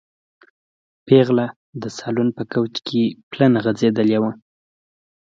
پېغله د سالون په کوچ کې پلنه غځېدلې وه.